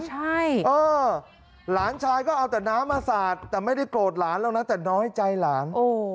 ใช่เออหลานชายก็เอาแต่น้ำมาสาดแต่ไม่ได้โกรธหลานแล้วนะแต่น้อยใจหลาน